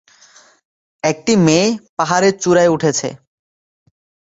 একটি মেয়ে পাহাড়ের চূড়ায় উঠছে।